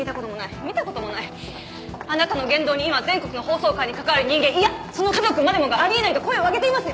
あなたの言動に今全国の法曹界に関わる人間いやその家族までもがあり得ないと声を上げていますよ！